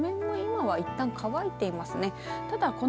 路面も今はいったん乾いていますね。